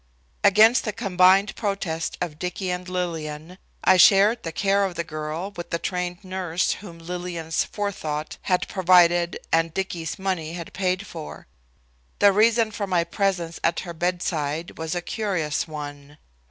Against the combined protest of Dicky and Lillian, I shared the care of the girl with the trained nurse whom Lillian's forethought had provided and Dicky's money had paid for. The reason for my presence at her bedside was a curious one.